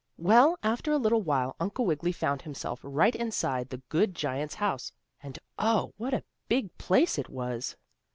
Well, after a little while Uncle Wiggily found himself right inside the good giant's house. And oh! what a big place it was.